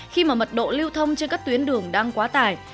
khi mà mật độ lưu thông trên các tuyến đường đang quá tải